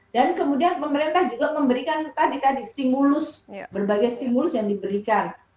dan kemudian pemerintah juga memberikan tadi tadi stimulus berbagai stimulus yang diberikan